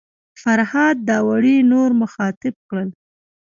فرهاد داوري نور مخاطب کړل.